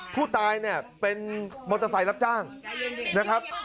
ผู้ตายเนี่ยเป็นมอเตอร์ไซค์รับจ้างนะครับ